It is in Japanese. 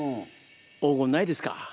黄金ないですか？